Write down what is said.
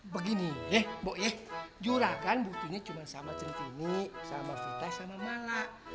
begini mbak ya juragan butuhnya cuma sama cintini sama fitah sama mala